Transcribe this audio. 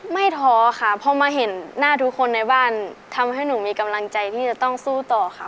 ท้อค่ะพอมาเห็นหน้าทุกคนในบ้านทำให้หนูมีกำลังใจที่จะต้องสู้ต่อค่ะ